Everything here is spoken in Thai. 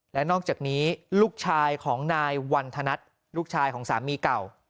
และนอกจากนี้ลูกชายของนายวันธนัทลูกชายของสามีเก่า